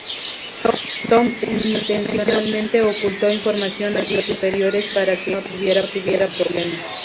Tom intencionalmente ocultó información a sus superiores para que Edie no tuviera problemas.